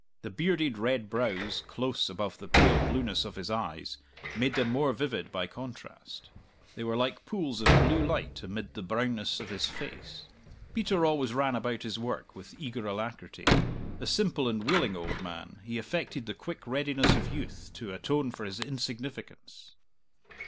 The bearded red brows, close above the pale blueness of his eyes, made them more vivid by contrast; they were like pools of blue light amid the brownness of his face. Peter always ran about his work with eager alacrity. A simple and willing old man, he affected the quick readiness of youth to atone for his insignificance.